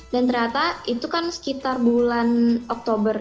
dan ternyata itu kan sekitar bulan oktober